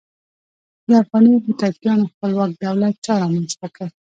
د افغاني هوتکیانو خپلواک دولت چا رامنځته کړ؟